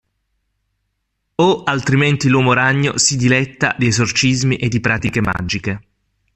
O altrimenti l'uomo ragno si diletta di esorcismi e di pratiche magiche.